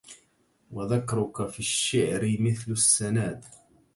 وذكرك في الشعر مثل السناد